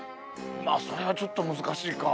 まあそれはちょっと難しいか。